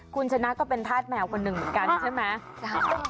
คุณชนะก็เป็นธาตุแมวคนหนึ่งเหมือนกันใช่ไหม